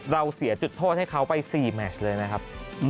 เราเสียจุดโทษให้เขาไป๔แมชเลยนะครับ